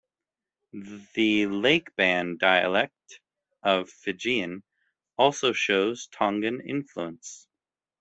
The Lakeban dialect of Fijian also shows Tongan influence.